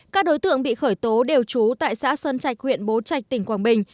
các đối tượng bị khởi tố đều trú tại xã sơn trạch huyện bố trạch tỉnh quảng bình